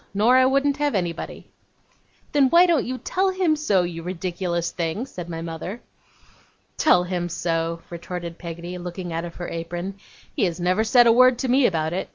Nor I wouldn't have anybody.' 'Then, why don't you tell him so, you ridiculous thing?' said my mother. 'Tell him so,' retorted Peggotty, looking out of her apron. 'He has never said a word to me about it.